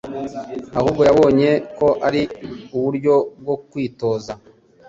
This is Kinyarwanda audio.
Ahubwo yabonye ko ari uburyo bwo kwitoza